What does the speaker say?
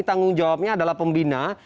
tanggung jawabnya adalah pembina